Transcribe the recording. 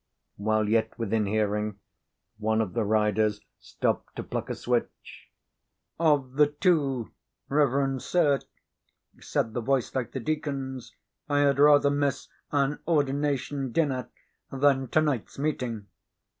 While yet within hearing, one of the riders stopped to pluck a switch. "Of the two, reverend sir," said the voice like the deacon's, "I had rather miss an ordination dinner than to night's meeting.